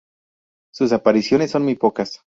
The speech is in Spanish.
Sus apariciones son muy pocas.